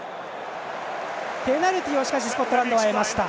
ペナルティーをスコットランドは得ました。